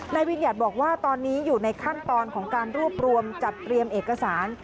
วิญญัติบอกว่าตอนนี้อยู่ในขั้นตอนของการรวบรวมจัดเตรียมเอกสาร